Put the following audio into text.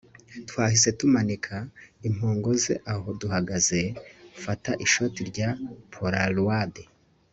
twahise tumanika impongo ze aho duhagaze, mfata ishoti rya polaroid